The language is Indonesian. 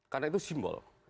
karena itu simbol